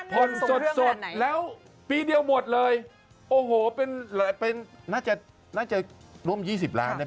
พนสดแล้วปีเดียวหมดเลยโอ้โหน่าจะรวม๒๐ล้าน